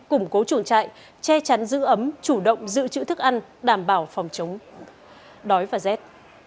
củng cố chuồng trại che chắn giữ ấm chủ động giữ chữ thức ăn đảm bảo phòng chống đói và rét